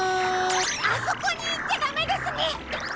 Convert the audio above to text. あそこにいっちゃダメですね！